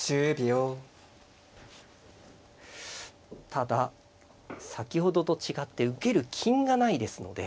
ただ先ほどと違って受ける金がないですので。